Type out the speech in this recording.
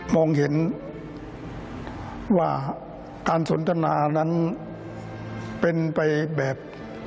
มองเห็นว่าการสนทนานั้นเป็นไปแบบ